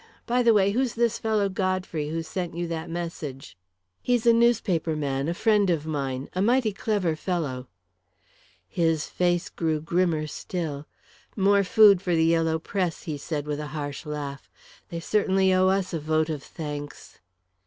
By the way, who's this fellow Godfrey, who sent you that message?" "He's a newspaper man, a friend of mine a mighty clever fellow." His face grew grimmer still. "More food for the yellow press," he said, with a harsh laugh. "They certainly owe us a vote of thanks."